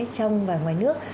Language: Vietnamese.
trong và ngoài nước